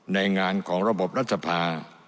ในงานของระบบรัฐสภา